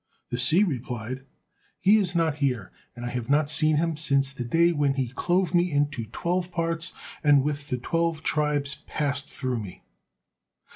The sea replied: "He is not here, and I have not seen him since the day when he clove me into twelve parts, and with the twelve tribes passed through me."